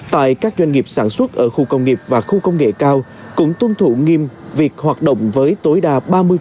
tại các doanh nghiệp sản xuất ở khu công nghiệp và khu công nghệ cao cũng tuân thủ nghiêm việc hoạt động với tối đa ba mươi